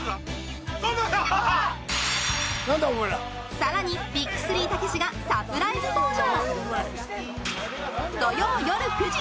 更にビッグ３たけしがサプライズ登場！